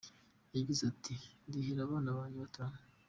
Yagize ati “Ndihira abana banjye batanu.